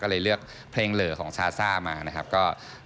ก็เลยเลือกเพลงเหลอของชาซ่ามานะครับ